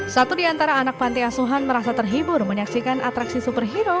satu di antara anak panti asuhan merasa terhibur menyaksikan atraksi superhero